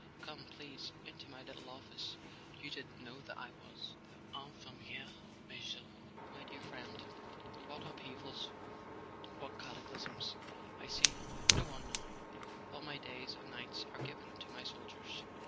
" Come, please, into my little office: you didn't know that I was the Infirmiere Major ? My dear friend, what upheavals, what cataclysms! I see no one now: all my days and nights are given to my soldiers."